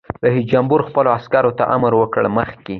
رئیس جمهور خپلو عسکرو ته امر وکړ؛ مخکې!